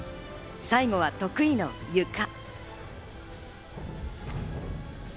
最後は得意のゆか。